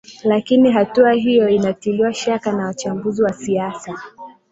lakini hatua hiyo inatiliwa shaka na wachambuzi wa siasa